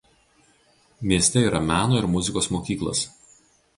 Mieste yra meno ir muzikos mokyklos.